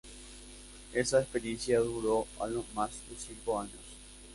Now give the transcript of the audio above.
Esa experiencia duró algo más de cinco años.